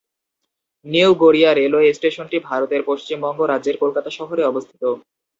New Garia railway স্টেশনটি ভারতের পশ্চিমবঙ্গ রাজ্যের কলকাতা শহরে অবস্থিত।